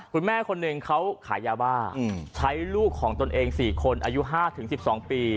คุณแม่คนหนึ่งเขาขายยาบ้าใช้ลูกของตนเอง๔คนอายุ๕๑๒ปี